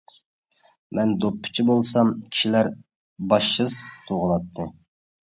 مەن دوپپىچى بولسام، كىشىلەر باشسىز تۇغۇلاتتى.